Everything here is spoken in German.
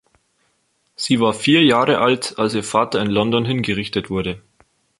Sie war vier Jahre alt, als ihr Vater in London hingerichtet wurde.